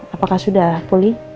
apakah sudah pulih